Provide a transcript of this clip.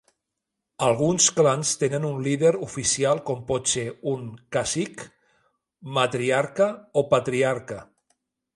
Alguns clans tenen un líder oficial com pot ser un cacic, matriarca o patriarca.